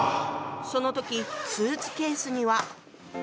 その時スーツケースには。